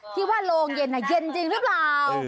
ที่ว่าโรงเย็นเย็นจริงหรือเปล่า